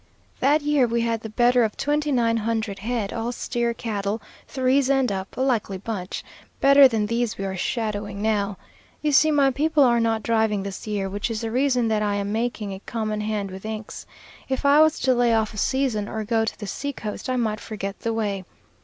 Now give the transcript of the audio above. "That year we had the better of twenty nine hundred head, all steer cattle, threes and up, a likely bunch, better than these we are shadowing now. You see, my people are not driving this year, which is the reason that I am making a common hand with Inks. If I was to lay off a season, or go to the seacoast, I might forget the way.